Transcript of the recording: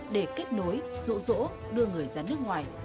để kết nối rỗ đưa người ra nước ngoài